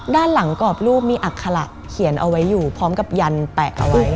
ด้านหลังกรอบรูปมีอัคระเขียนเอาไว้อยู่พร้อมกับยันแปะเอาไว้